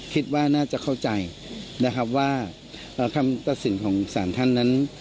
คิดว่าน่าจะเข้าใจนะครับว่าคำตัดสินของสารท่านนั้น